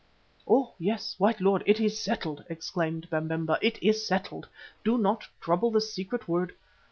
"Oh! yes, white lord, it is settled," exclaimed Babemba, "it is settled. Do not trouble the secret word.